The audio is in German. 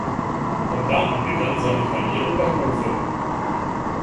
Von da an begann seine Karriere bei Hofe.